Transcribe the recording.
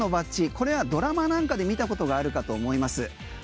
これはドラマなんかで見たことがあるかと思います。